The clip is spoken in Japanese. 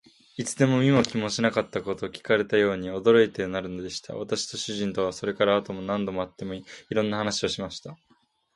一度も見も聞きもしなかったことを聞かされたように、驚いて憤るのでした。私と主人とは、それから後も何度も会って、いろんな話をしました。